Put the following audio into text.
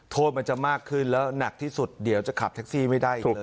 โทษมันจะมากขึ้นแล้วหนักที่สุดเดี๋ยวจะขับแท็กซี่ไม่ได้อีกเลย